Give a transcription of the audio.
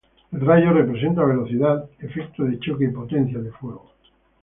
El rayo representa velocidad, efecto de choque y potencia de fuego.